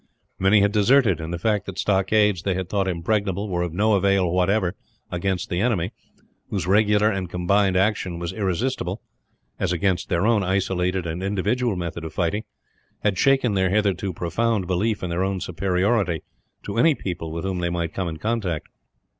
Many had deserted, and the fact that stockades they had thought impregnable were of no avail, whatever, against the enemy, whose regular and combined action was irresistible, as against their own isolated and individual method of fighting, had shaken their hitherto profound belief in their own superiority to any people with whom they might come in contact.